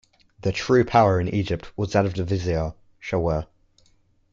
The true power in Egypt was that of the vizier, Shawar.